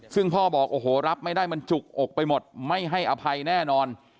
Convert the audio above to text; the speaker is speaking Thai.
ซึ่งพ่อบอกโอ้โหรับไม่ได้มันจุกอกไปหมดไม่ให้อภัยแน่นอน